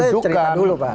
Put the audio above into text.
ini saya cerita dulu pak